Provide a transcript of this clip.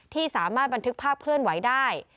ที่สามารถบันทึกภาพเคลื่อนไหวได้